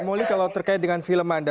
ya molly kalau terkait dengan film anda